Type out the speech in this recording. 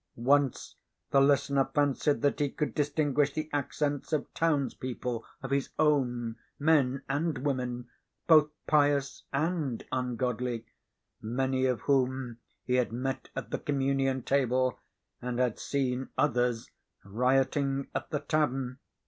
Once the listener fancied that he could distinguish the accents of towns people of his own, men and women, both pious and ungodly, many of whom he had met at the communion table, and had seen others rioting at the tavern.